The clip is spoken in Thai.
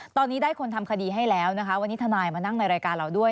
ตอนนี้ได้คนทำคดีให้แล้วนะคะวันนี้ทนายมานั่งในรายการเราด้วย